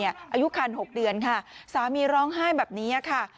อายุคัน๖เดือนค่ะสามีร้องไห้แบบนี้ค่ะ